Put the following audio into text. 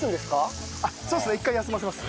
そうですね一回休ませます